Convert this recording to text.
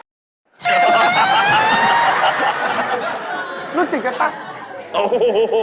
รู้สึกกับตั๊ก